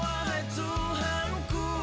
wahai tuhan ku